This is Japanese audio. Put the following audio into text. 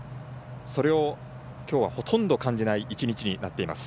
それをきょうはほとんど感じない一日になっています。